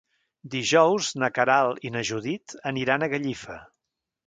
Dijous na Queralt i na Judit aniran a Gallifa.